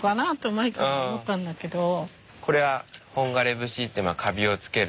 これは本枯節ってまあかびをつける。